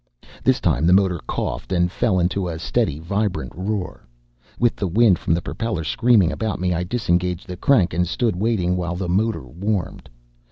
This time the motor coughed and fell into a steady, vibrant roar. With the wind from the propeller screaming about me, I disengaged the crank and stood waiting while the motor warmed.